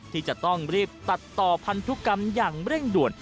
ที่จะต้องรีบตัดต่อพันธุกรรมอย่างเร่งด่วน